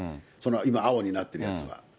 今、青になってるやつは。